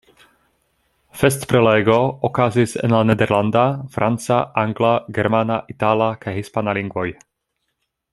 Festprelego okazis en la nederlanda, franca, angla, germana, itala kaj hispana lingvoj.